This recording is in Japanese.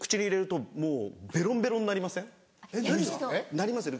なりますよね。